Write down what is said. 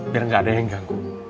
biar gak ada yang ganggu